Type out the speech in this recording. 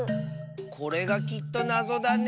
これがきっとなぞだね。